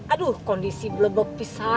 aduh kondisi blebeb pisah